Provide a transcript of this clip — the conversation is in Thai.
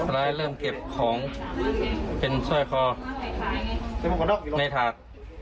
ร้ายเริ่มเก็บของเป็นสร้อยคอในทาง